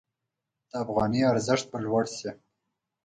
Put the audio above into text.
د افغانۍ ارزښت به لوړ شي.